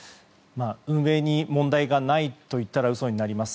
運営に問題がないといったら嘘になります。